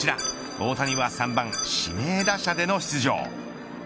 大谷は３番指名打者での出場。